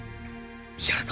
やるぞ！